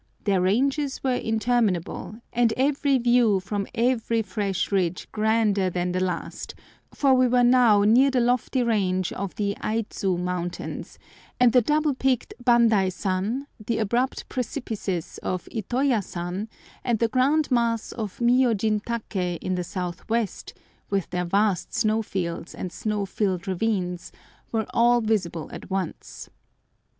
Their ranges were interminable, and every view from every fresh ridge grander than the last, for we were now near the lofty range of the Aidzu Mountains, and the double peaked Bandaisan, the abrupt precipices of Itoyasan, and the grand mass of Miyojintaké in the south west, with their vast snow fields and snow filled ravines, were all visible at once.